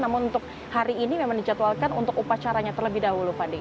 namun untuk hari ini memang dijadwalkan untuk upacaranya terlebih dahulu